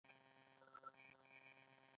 ګڼ شمېر افرادو د تولید لپاره وسیلې نه درلودې